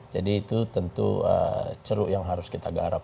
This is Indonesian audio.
jadi itu tentu ceruk yang harus kita garap